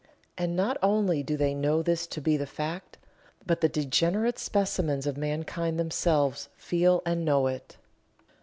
And not only do they know this to be the fact, but the degenerate specimens of mankind themselves feel and know it.